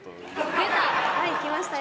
出た！来ましたよ。